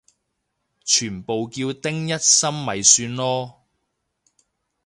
全部叫丁一心咪算囉